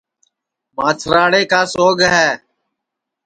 ماچھراڑے کا سوگ ہے